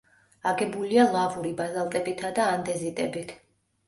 აგებულია ლავური ბაზალტებითა და ანდეზიტებით.